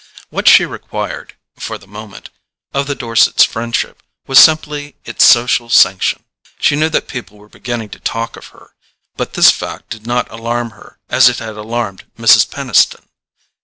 What she required, for the moment, of the Dorsets' friendship, was simply its social sanction. She knew that people were beginning to talk of her; but this fact did not alarm her as it had alarmed Mrs. Peniston.